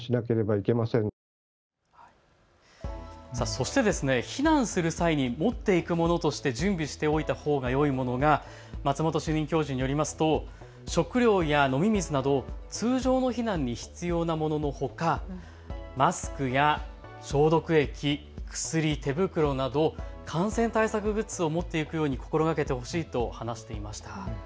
そして避難する際に持っていくものとして準備しておいたほうがよいものが松本主任教授によりますと食料や飲み水など通常の避難に必要なもののほかマスクや消毒液、薬、手袋など感染対策グッズを持っていくように心がけてほしいと話していました。